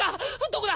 どこだ？